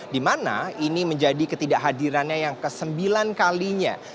dimana ini menjadi ketidakhadirannya yang ke sembilan kalinya